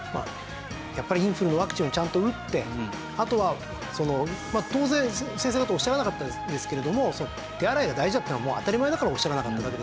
やっぱりインフルのワクチンをちゃんと打ってあとはまあ当然先生方おっしゃらなかったですけれども手洗いが大事だっていうのはもう当たり前だからおっしゃらなかっただけで。